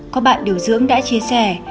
có bạn điều dưỡng đã chia sẻ